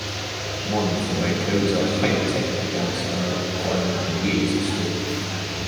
Modern flamenco is a highly technical dance style requiring years of study.